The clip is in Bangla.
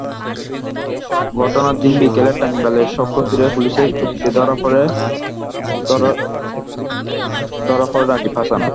ঘটনার দিন বিকেলে টাঙ্গাইলের সখীপুরে পুলিশের চৌকিতে ধরা পড়ে রাকিব হাসান।